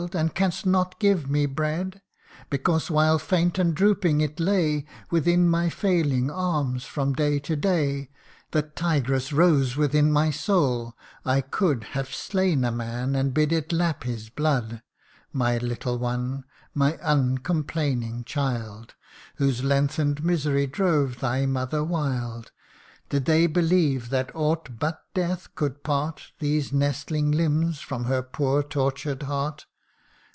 and canst not give me bread ? Because, while faint and droopingly it lay Within my failing arms from day to day, The tigress rose within my soul I could Have slain a man, and bid it lap his blood ! My little one ! my uncomplaining child ! Whose lengthen'd misery drove thy mother wild, Did they believe that aught but death could part These nestling limbs from her poor tortured heart